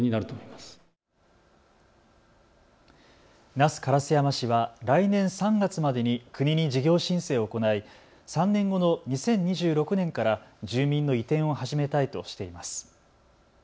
那須烏山市は来年３月までに国に事業申請を行い、３年後の２０２６年から住民の移転を始めたいとしています。